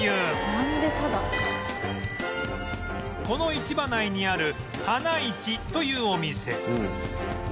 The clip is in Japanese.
この市場内にある花いちというお店